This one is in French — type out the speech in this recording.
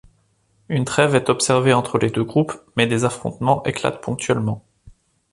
Une trêve est observée entre les deux groupes mais des affrontements éclatent ponctuellement.